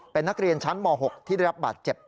เป็นนักเรียนชั้นม๖ที่ได้รับบาดเจ็บ